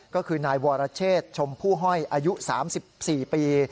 ก็คือนายวรเชษชมผู้ห้อยอายุ๓๔ปี